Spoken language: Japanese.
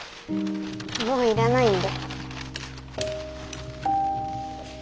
もう要らないんで。